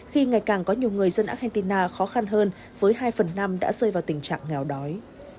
khi ngày càng có nhiều người dân argentina khó khăn hơn với hai phần năm đã rơi vào tình trạng nghèo đói